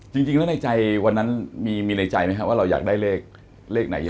จริงแล้วในใจวันนั้นมีในใจไหมครับว่าเราอยากได้เลขไหนเยอะ